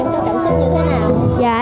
em cảm xúc như thế nào